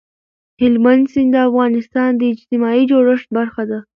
هلمند سیند د افغانستان د اجتماعي جوړښت برخه ده.